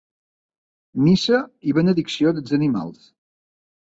Missa i benedicció dels animals.